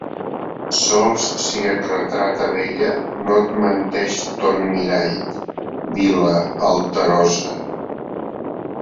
Sols si et retrata bella no et menteix ton mirall, vila alterosa;